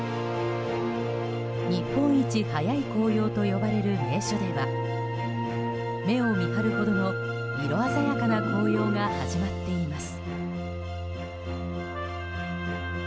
日本一早い紅葉と呼ばれる名所では目を見張るほどの、色鮮やかな紅葉が始まっています。